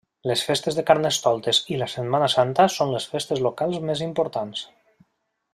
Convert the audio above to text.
Les festes de Carnestoltes i la Setmana Santa són les festes locals més importants.